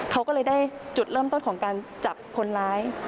เขาก็เลยได้จุดเริ่มต้นของการจับคนร้าย